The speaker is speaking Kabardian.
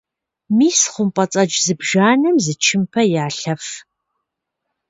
Мис хъумпӏэцӏэдж зыбжанэм зы чымпэ ялъэф.